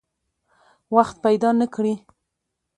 وخت پیدا نه کړي.